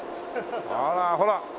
あらほら。